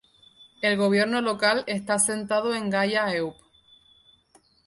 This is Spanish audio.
El gobierno local está sentado en Gaya-eup.